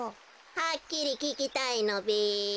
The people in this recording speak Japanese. はっきりききたいのべ。